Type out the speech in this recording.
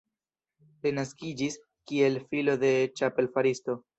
Li naskiĝis kiel filo de ĉapel-faristo.